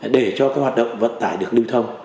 để cho cái hoạt động vận tải được lưu thông